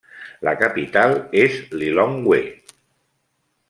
La capital és Lilongwe.